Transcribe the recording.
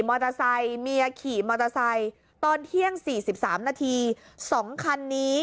มอเตอร์ไซค์เมียขี่มอเตอร์ไซค์ตอนเที่ยง๔๓นาที๒คันนี้